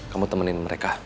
kamu temenin mereka